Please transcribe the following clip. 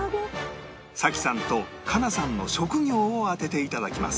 紗希さんと佳奈さんの職業を当てて頂きます